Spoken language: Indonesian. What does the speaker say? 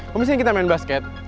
pemisahin kita main basket